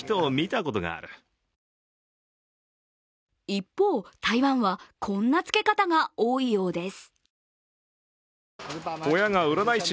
一方、台湾は、こんな付け方が多いようです。